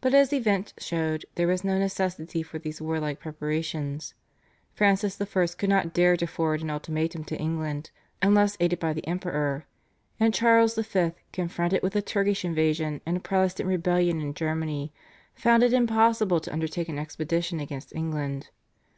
But as events showed there was no necessity for these warlike preparations. Francis I. could not dare to forward an ultimatum to England unless aided by the Emperor, and Charles V., confronted with a Turkish invasion and a Protestant rebellion in Germany, found it impossible to undertake an expedition against England.